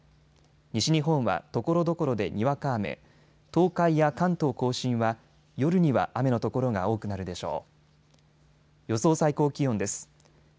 西日本はところどころでにわか雨、東海や関東甲信は夜には雨の所が多くなるでしょう。